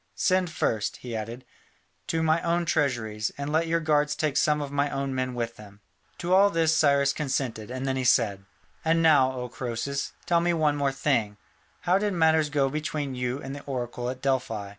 Send first," he added, "to my own treasuries, and let your guards take some of my own men with them." To all this Cyrus consented, and then he said: "And now, O Croesus, tell me one thing more. How did matters go between you and the oracle at Delphi?